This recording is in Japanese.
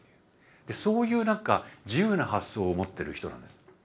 そういう何か自由な発想を持ってる人なんです。